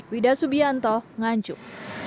widah subianto nganjuk